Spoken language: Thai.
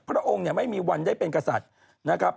พระองค์เนี่ยไม่มีวันได้เป็นกษัตริย์นะครับ